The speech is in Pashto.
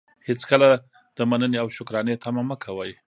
هېڅکله د منني او شکرانې طمعه مه کوئ!